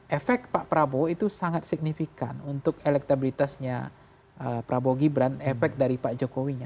efek pak prabowo itu sangat signifikan untuk elektabilitasnya prabowo gibran efek dari pak jokowinya